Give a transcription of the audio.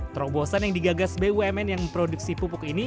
terobosan yang digagas bumn yang memproduksi pupuk ini